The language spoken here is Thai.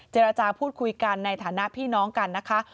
เจรจาพูดคุยกันในฐานะพี่น้องกันนะคะ